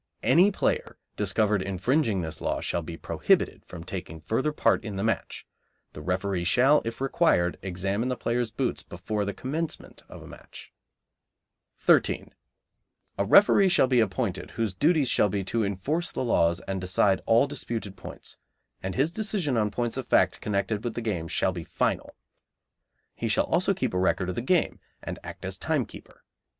Any player discovered infringing this law shall be prohibited from taking further part in the match. The referee shall, if required, examine the players' boots before the commencement of a match. [C] (Wearing soft india rubber on the soles of boots is not a violation of this law.) 13. A referee shall be appointed, whose duties shall be to enforce the laws and decide all disputed points; and his decision on points of fact connected with the game shall be final. He shall also keep a record of the game and act as timekeeper.